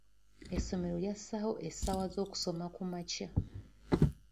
Essomero lyassaawo essaawa z'okusoma kumakya.